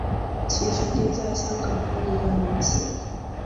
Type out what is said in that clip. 其成绩在香港中无人能及。